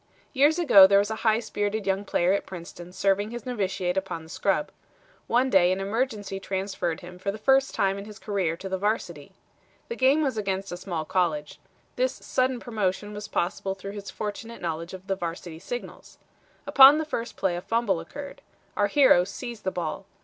"Years ago there was a high spirited young player at Princeton serving his novitiate upon the scrub. One day an emergency transferred him for the first time in his career to the Varsity. The game was against a small college. This sudden promotion was possible through his fortunate knowledge of the varsity signals. Upon the first play a fumble occurred. Our hero seized the ball.